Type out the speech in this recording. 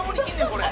これ。